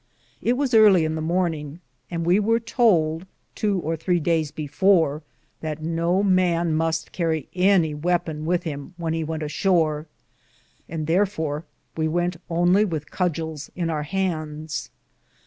It was arlye in the morninge, and we weare toulde, 2 or 3 dayes before, that no man muste carrie any weapern with him when he wente a shore, and tharfore we wente only with cudgels in our handes.